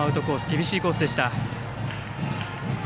厳しいコースでした。